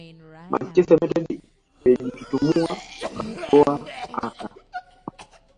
Manchester United ilijitutumua wakatoaka